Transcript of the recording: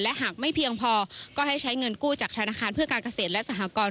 หากไม่เพียงพอก็ให้ใช้เงินกู้จากธนาคารเพื่อการเกษตรและสหกร